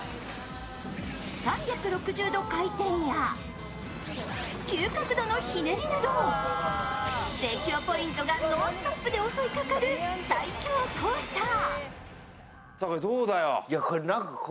３６０度回転や、急角度のひねりなど絶叫ポイントがノンストップで襲いかかる最恐コースター。